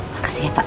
makasih ya pak